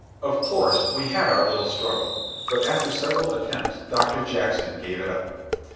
Of course we had our little struggle; but after several attempts Doctor Jackson gave it up.